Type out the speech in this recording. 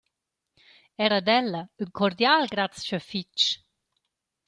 Eir ad ella ün cordial grazcha fich.